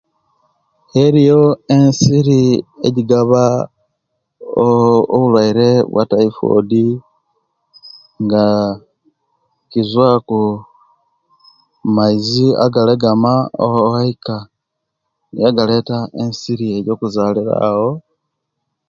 Eriyo ensiri ejjigaba ooh obulwaire bwa typhoid nga kiva ku maizi agalagama ooh owaika era galeta ensiri ejjo okuzalira awo